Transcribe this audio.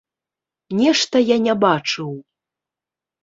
Нешта я не бачыў.